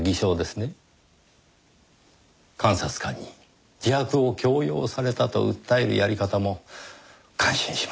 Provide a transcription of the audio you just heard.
監察官に自白を強要されたと訴えるやり方も感心しません。